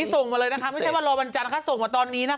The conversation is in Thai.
ส่งเลยนะคะทองอีกเยอะ